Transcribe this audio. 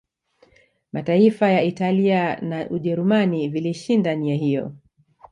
Mataifa ya Italia na Ujerumani vilishinda nia hiyo